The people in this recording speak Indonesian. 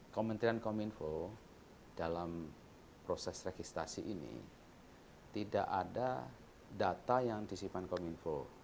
kementerian kominfo dalam proses registrasi ini tidak ada data yang disimpan kominfo